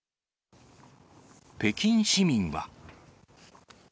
北京市民は。